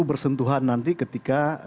bersentuhan nanti ketika